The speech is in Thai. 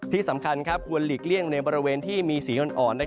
ที่สำคัญควรหลีกเลี่ยงในบริเวณที่มีสีอ่อน